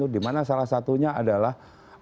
di mana salah satunya adalah